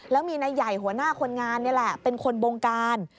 แล้วมีนายใหญ่หัวหน้าคนงานนี่แหละเป็นคนบงการ